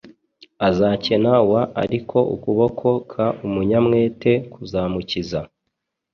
Azakena w ariko ukuboko k umunyamwete kuzamukiza